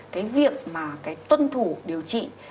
cái việc mà tuân thù điều trị